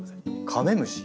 カメムシ？